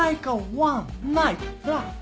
ワンナイトラブ。